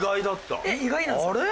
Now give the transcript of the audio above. あれ？